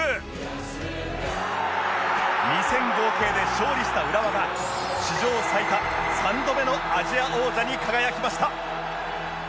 ２戦合計で勝利した浦和が史上最多３度目のアジア王者に輝きました